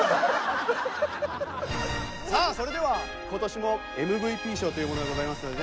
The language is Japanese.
さあそれでは今年もＭＶＰ賞というものがございますのでね。